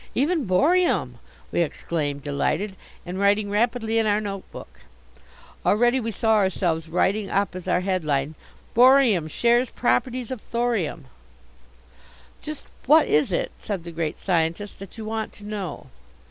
"Even borium!" we exclaimed, delighted, and writing rapidly in our notebook. Already we saw ourselves writing up as our headline Borium Shares Properties of Thorium. "Just what is it," said the Great Scientist, "that you want to know?"